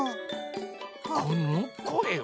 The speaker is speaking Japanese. このこえは？